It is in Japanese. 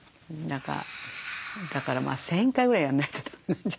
だから１，０００回ぐらいやんないとだめなんじゃない。